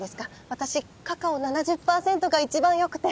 私カカオ７０％が一番よくて。